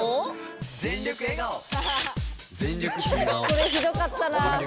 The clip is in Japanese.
でもこれひどかったなあ。